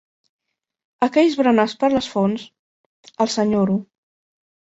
Aquells berenars per les fonts, els enyoro.